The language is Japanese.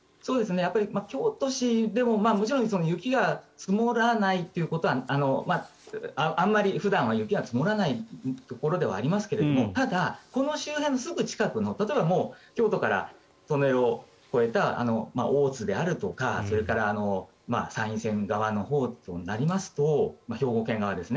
京都市でも、もちろん雪が積もらないということはあんまり普段は雪が積もらないところではありますがただ、この周辺のすぐ近くの例えば京都を越えた大津であるとか、それから山陰線側のほうとなりますと兵庫県側ですね。